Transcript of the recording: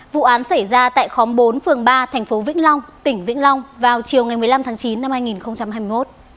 vụ án xảy ra tại khóm bốn phường ba thành phố vĩnh long tỉnh vĩnh long vào chiều ngày một mươi năm tháng chín năm hai nghìn hai mươi một